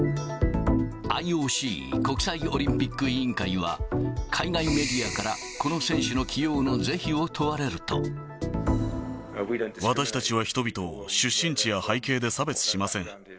ＩＯＣ・国際オリンピック委員会は、海外メディアから、この選手の起用の是非を問われると。私たちは人々を出身地や背景で差別しません。